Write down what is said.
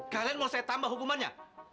kalian mau saya tambah hukumannya